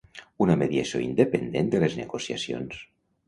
Una mediació independent de les negociacions.